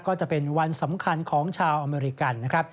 ก็จะเป็นวันสำคัญของชาวอเมริกันนะครับ